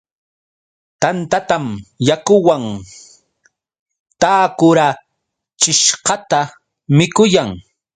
Tantatam yakuwan takurachishqata mikuyan.